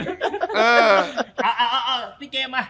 เอาพี่เกมมา